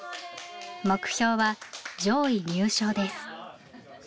目標は上位入賞です。